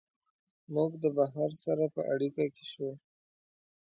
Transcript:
هغه د بهر سره په اړیکه کي سو